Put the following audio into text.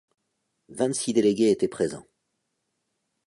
Vingt-six délégués étaient présents.